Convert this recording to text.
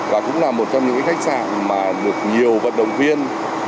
và cũng là một trong những khách sạn mà được nhiều vận động viên